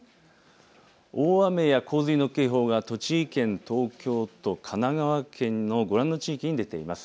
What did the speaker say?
大雨や洪水の警報が栃木県、東京都、神奈川県のご覧の地域に出ています。